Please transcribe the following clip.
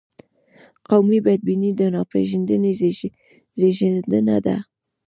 قومي بدبیني د ناپېژندنې زیږنده ده.